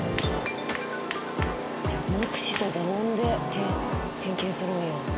目視と打音で点検するんや。